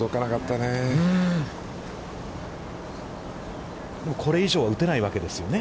でも、これ以上は打てないわけですよね。